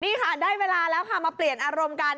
นี่ค่ะได้เวลาแล้วค่ะมาเปลี่ยนอารมณ์กัน